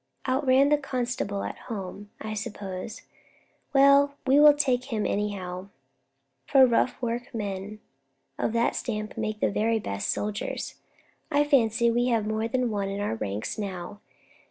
Out ran the constable at home, I suppose. Well, we will take him anyhow; for rough work men of that stamp make the very best soldiers. I fancy we have more than one in our ranks now.